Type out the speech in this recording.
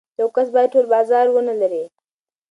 یو کس باید ټول بازار ونلري.